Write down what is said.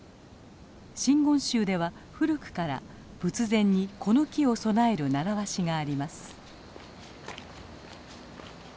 真言宗では古くから仏前にこの木を供える習わしがあります。